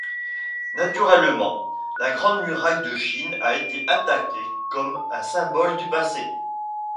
Naturellement, la Grande Muraille de Chine a été attaquée comme un symbole du passé.